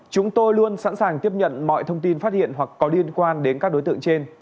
chúng tôi luôn sẵn sàng tiếp nhận mọi thông tin phát hiện hoặc có liên quan đến các đối tượng trên